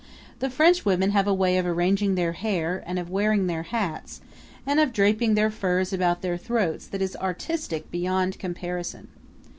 The French women have a way of arranging their hair and of wearing their hats and of draping their furs about their throats that is artistic beyond comparison.